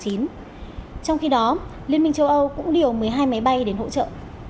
trong khi đó liên minh châu âu cũng điều một mươi hai máy bay đến hỗ trợ